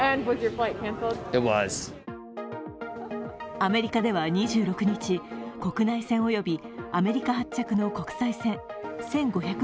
アメリカでは２６日、国内線およびアメリカ発着の国際線１５００